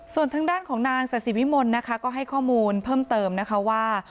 ส่วนทางด้านของนางสัตว์ศิวิมนตร์ก็ให้ข้อมูลเพิ่มเติมว่า